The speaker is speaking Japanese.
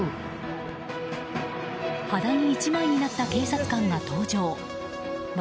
肌着１枚になった警察官が登場。